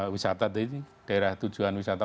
wisata tadi daerah tujuan wisata